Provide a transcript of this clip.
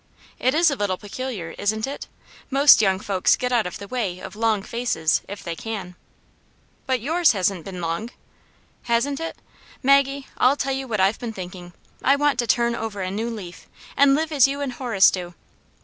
" It is a little peculiar, isn't it ? Most young folks get out of the way of long faces, if they can." " But yours hasn't been long." *' Hasn't it ? Maggie, I'll tell you what I've been thinking. I want to turn over a new leaf, and live as you and Horace do."